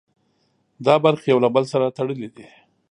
دا برخې یو له بل سره تړلي دي.